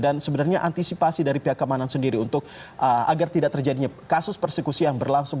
dan sebenarnya antisipasi dari pihak keamanan sendiri untuk agar tidak terjadinya kasus persekusi yang berlangsung